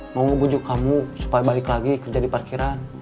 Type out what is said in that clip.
mau bujuk kamu supaya balik lagi kerja di parkiran